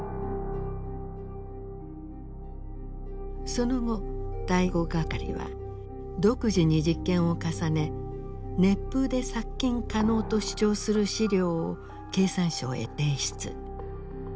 その後第五係は独自に実験を重ね熱風で殺菌可能と主張する資料を経産省へ提出。